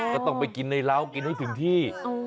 ก็ต้องไปกินในร้าวกินให้ถึงที่